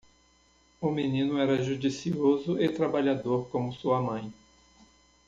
O menino era judicioso e trabalhador como sua mãe.